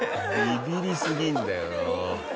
ビビりすぎるんだよな。